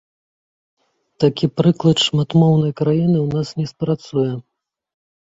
Такі прыклад шматмоўнай краіны ў нас не спрацуе.